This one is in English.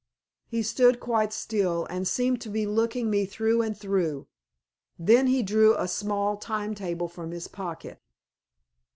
He stood quite still, and seemed to be looking me through and through. Then he drew a small time table from his pocket.